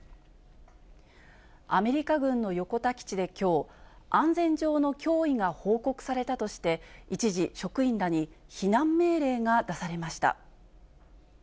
アメリカ軍の横田基地できょう、安全上の脅威が報告されたとして、一時、職員らに避難命令が出されました。